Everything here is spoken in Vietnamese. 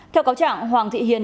theo cáo trạng hoàng thị hiền